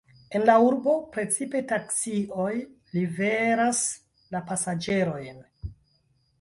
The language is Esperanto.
En la urbo precipe taksioj liveras la pasaĝerojn.